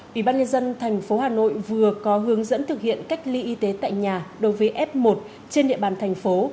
ủy ban nhân dân tp hà nội vừa có hướng dẫn thực hiện cách ly y tế tại nhà đối với f một trên địa bàn thành phố